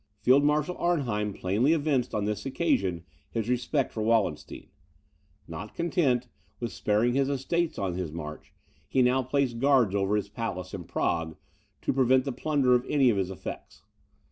Field Marshal Arnheim plainly evinced, on this occasion, his respect for Wallenstein. Not content with sparing his estates on his march, he now placed guards over his palace, in Prague, to prevent the plunder of any of his effects.